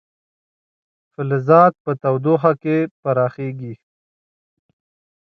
فلزات په تودوخه کې پراخېږي.